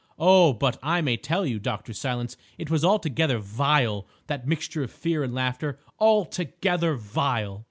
Oh, but I may tell you, Dr. Silence, it was altogether vile, that mixture of fear and laughter, altogether vile!